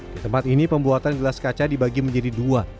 di tempat ini pembuatan gelas kaca dibagi menjadi dua